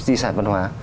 di sản văn hóa